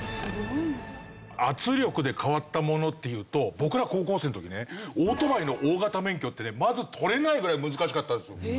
圧力で変わったものっていうと僕ら高校生の時ねオートバイの大型免許ってねまず取れないぐらい難しかったんですよ。